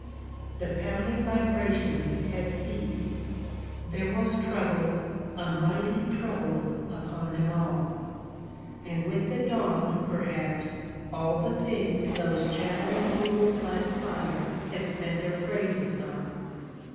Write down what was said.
The pounding vibrations had ceased. There was trouble, a mighty trouble, upon them all; and with the dawn, perhaps, all the things those chattering fools by the fire had spent their phrases on.